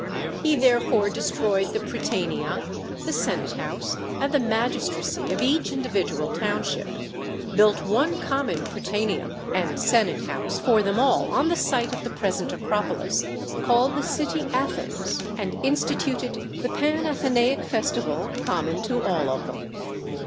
He therefore destroyed the prytanea, the senate house, and the magistracy of each individual township, built one common prytaneum and senate house for them all on the site of the present acropolis, called the city Athens, and instituted the Panathenaic festival common to all of them.